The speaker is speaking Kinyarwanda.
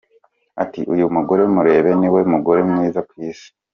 Ati “Uyu mugore mureba ni we mugore mwiza ku Isi.